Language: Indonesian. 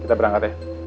kita berangkat ya